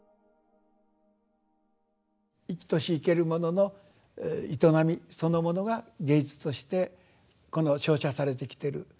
生きとし生けるものの営みそのものが芸術としてこの照射されてきてる。